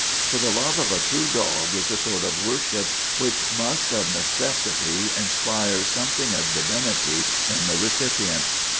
For the love of a true dog is a sort of worship which must of neces sity inspire something of divinity in the recipient.